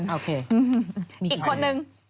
อีกคนหนึ่ง